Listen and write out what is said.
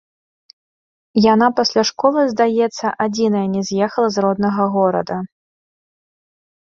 Яна пасля школы, здаецца, адзіная, не з'ехаў з роднага горада.